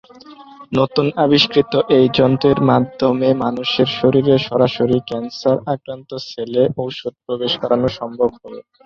নতুন আবিষ্কৃত এই যন্ত্রের মাধ্যমে মানুষের শরীরে সরাসরি ক্যান্সার আক্রান্ত সেলে ওষুধ প্রবেশ করানো সম্ভব হবে।